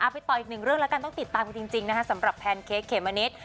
ไปต่ออีกหนึ่งเรื่องแล้วกันต้องติดตามกันจริงนะคะสำหรับแพนเค้กเขมมะนิด